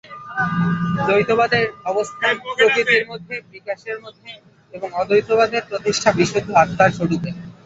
দ্বৈতবাদের অবস্থান প্রকৃতির মধ্যে, বিকাশের মধ্যে এবং অদ্বৈতবাদের প্রতিষ্ঠা বিশুদ্ধ আত্মার স্বরূপে।